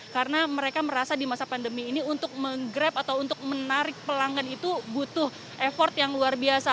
karena mereka merasa di masa pandemi ini untuk menggrab atau untuk menarik pelanggan itu butuh effort yang luar biasa